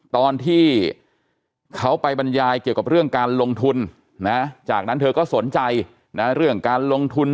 ตอนที่เขาไปบรรยายเกี่ยวกับเรื่องการลงทุนนะจากนั้นเธอก็สนใจนะเรื่องการลงทุน